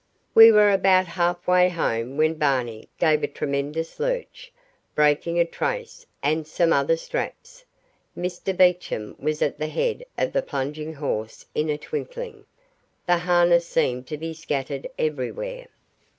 We were about half way home when Barney gave a tremendous lurch, breaking a trace and some other straps. Mr Beecham was at the head of the plunging horse in a twinkling. The harness seemed to be scattered everywhere.